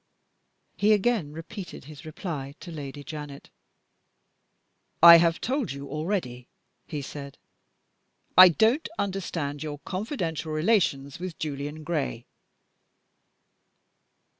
He again repeated his reply to Lady Janet. "I have told you already," he said. "I don't understand your confidential relations with Julian Gray."